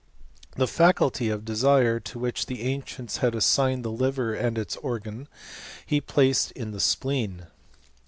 The faculty of desire, to which the ancients had assigned the liver id its organ, he placed in the spleen.